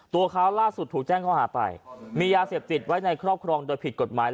ตัวเขาล่าสุดถูกแจ้งข้อหาไปมียาเสพติดไว้ในครอบครองโดยผิดกฎหมาย